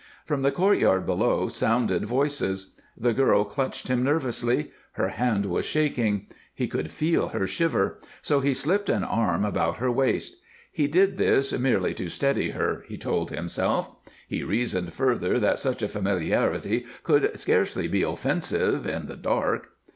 From the courtyard below sounded voices. The girl clutched him nervously; her hand was shaking. He could feel her shiver, so he slipped an arm about her waist. He did this merely to steady her, he told himself. He reasoned further that such a familiarity could scarcely be offensive in the dark.